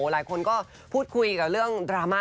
หลายคนก็พูดคุยกับเรื่องดราม่า